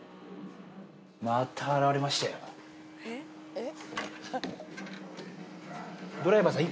えっ？